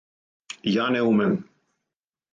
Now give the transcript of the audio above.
Ја не умем!